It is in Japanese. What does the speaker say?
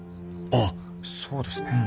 ああそうですね。